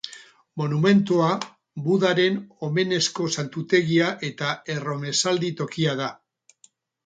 Monumentua Budaren omenezko santutegia eta erromesaldi tokia da.